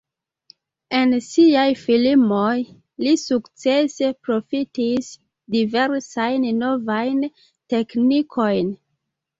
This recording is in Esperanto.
En siaj filmoj li sukcese profitis diversajn novajn teknikojn.